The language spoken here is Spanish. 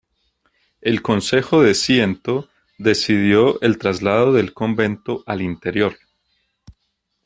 El Consejo de Ciento decidió el traslado del convento al interior.